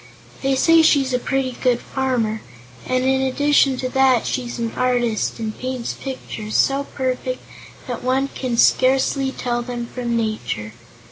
They say she's a pretty good farmer, and in addition to that she's an artist, and paints pictures so perfect that one can scarcely tell them from nature.